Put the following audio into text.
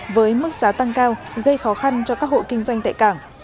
với mức giá tăng cao gây khó khăn cho các hộ kinh doanh tại cảng